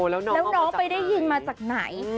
แล้วน้องไปได้ยินมาจากไหน